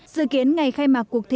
dự kiến ngày khai mạc cuộc thi